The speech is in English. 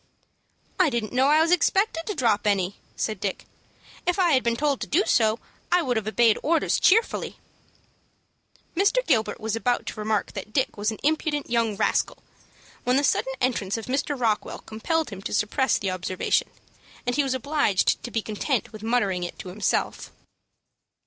"I didn't know I was expected to drop any," said Dick. "If I had been told to do so, I would have obeyed orders cheerfully." Mr. Gilbert was about to remark that Dick was an impudent young rascal, when the sudden entrance of Mr. Rockwell compelled him to suppress the observation, and he was obliged to be content with muttering it to himself.